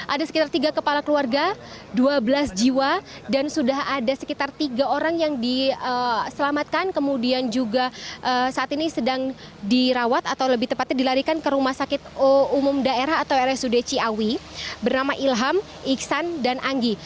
ada sekitar tiga kepala keluarga dua belas jiwa dan sudah ada sekitar tiga orang yang diselamatkan kemudian juga saat ini sedang dirawat atau lebih tepatnya dilarikan ke rumah sakit umum daerah atau rsud ciawi bernama ilham iksan dan anggi